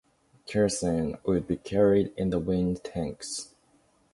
Kerosene would be carried in the wing tanks.